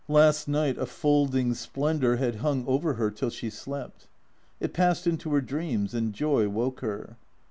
Last night a folding splendour had hung over her till she slept. It passed into her dreams, and joy woke her.